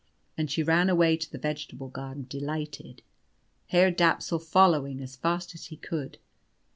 And she ran away to the vegetable garden, delighted, Herr Dapsul following as fast as he could.